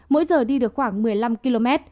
mỗi giờ đi được khoảng một mươi năm km